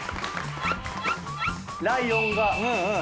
ライオンが。